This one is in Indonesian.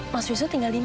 mas wisnu tinggal dimana